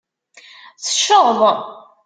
Tecceḍ.